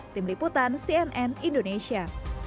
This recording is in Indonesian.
tim liputan cnn indonesia